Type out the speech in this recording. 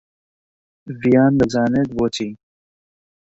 ڤیان دەزانێت بۆچی.